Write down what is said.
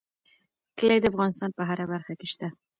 کلي د افغانستان په هره برخه کې شته.